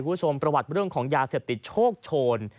คุณผู้ชมประวัติเรื่องของยาเสพติดโชคโชน